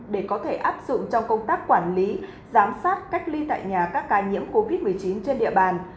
để có thể áp dụng trong công tác quản lý giám sát cách ly tại nhà các ca nhiễm covid một mươi chín trên địa bàn